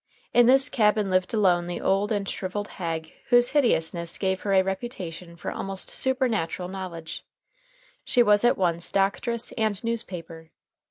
In this cabin lived alone the old and shriveled hag whose hideousness gave her a reputation for almost supernatural knowledge. She was at once doctress and newspaper.